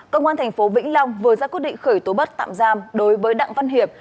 công an tp vĩnh long vừa ra quyết định khởi tố bắt tạm giam đối với đặng văn hiệp